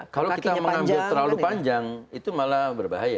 kalau kita mengambil terlalu panjang itu malah berbahaya